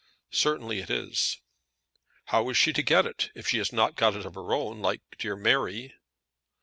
"Certainly it is." "How is she to get it, if she has not got it of her own, like dear Mary?"